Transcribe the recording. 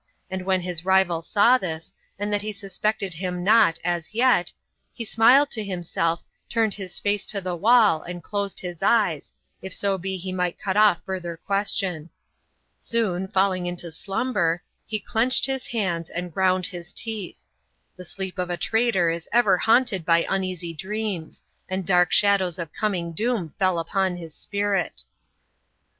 And when his rival saw this, and that he suspected him not as yet, he smiled to himself, turned his face to the wall, and closed his eyes, if so be he might cut off further question. Soon, falling into slumber, he clenched his hands, and ground his teeth. The sleep of a traitor is ever haunted by uneasy dreams, and dark shadows of coming doom fell upon his spirit.